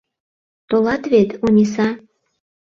Толат вет, Ониса?..